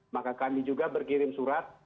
maka kami juga berkirim surat